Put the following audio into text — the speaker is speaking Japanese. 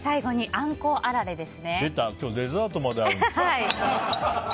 今日デザートまであるんですか。